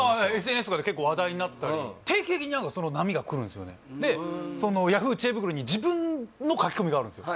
ＳＮＳとかで結構話題になったり定期的にその波がくるんですよねでＹａｈｏｏ！知恵袋に自分の書き込みがあるんですよ